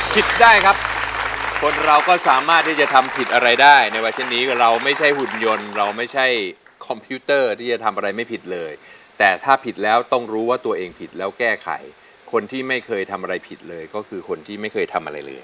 ผิดได้ครับคนเราก็สามารถที่จะทำผิดอะไรได้ในวาเช่นนี้เราไม่ใช่หุ่นยนต์เราไม่ใช่คอมพิวเตอร์ที่จะทำอะไรไม่ผิดเลยแต่ถ้าผิดแล้วต้องรู้ว่าตัวเองผิดแล้วแก้ไขคนที่ไม่เคยทำอะไรผิดเลยก็คือคนที่ไม่เคยทำอะไรเลย